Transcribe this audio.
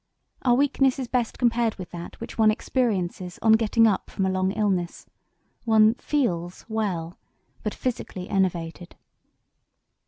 Our weakness is best compared with that which one experiences on getting up from a long illness; one 'feels' well, but physically enervated.